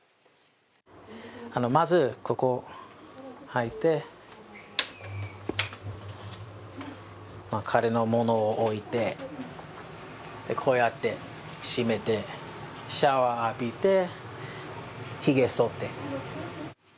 まずここ入って、彼のものを置いて、こうやって閉めて、シャワー浴びてひげを剃って。